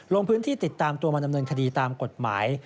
ลงพื้นที่ติดตามตัวมาดำเนินคดีตามกฎหมาย